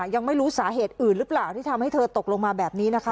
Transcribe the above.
ยังไม่รู้สาเหตุอื่นหรือเปล่าที่ทำให้เธอตกลงมาแบบนี้นะคะ